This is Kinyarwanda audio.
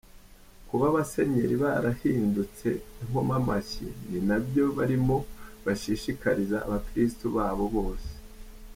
Kuba abasenyeri barahindutse inkomamashyi ni nabyo barimo bashishikariza abakristu babo bose.